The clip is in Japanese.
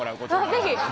ぜひ！